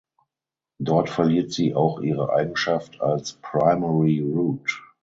Dort verliert sie auch ihre Eigenschaft als Primary route.